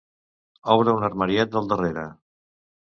Obre un armariet del darrere.